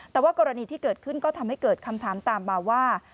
แต่ว่ากรณีที่เกิดขึ้นก็ทำให้เกิดคำถามตามมาว่า